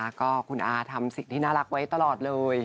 แล้วก็คุณอาทำสิ่งที่น่ารักไว้ตลอดเลย